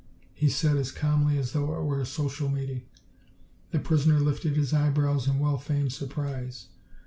he said as calmly as though it were a social meeting. The prisoner lifted his eyebrows in well feigned surprise.